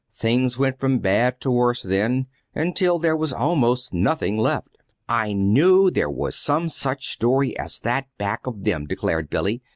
Things went from bad to worse then, until there was almost nothing left." "I knew there was some such story as that back of them," declared Billy.